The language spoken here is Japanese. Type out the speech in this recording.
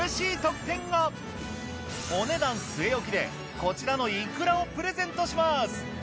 お値段据え置きでこちらのいくらをプレゼントします！